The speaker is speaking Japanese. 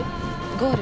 ゴール。